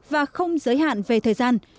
và không giới hạn về thời gian